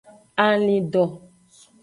Alindo.